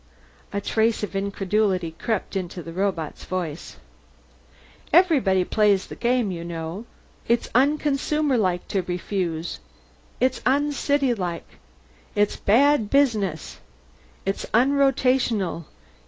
A trace of incredulity crept into the robot's voice. "Everyone plays the game, you know. It's unconsumerlike to refuse. It's uncitylike. It's bad business. It's unrotational.